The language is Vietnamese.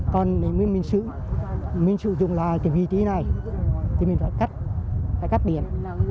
còn mình sử dụng lại cái vị trí này thì mình phải cắt phải cắt điện